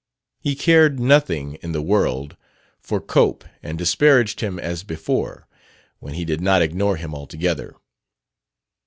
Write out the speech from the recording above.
He cared nothing in the world for Cope, and disparaged him as before when he did not ignore him altogether.